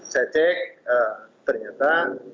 saya cek ternyata